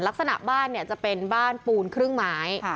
ลักษณะบ้านจะเป็นบ้านปูนครึ่งหมาย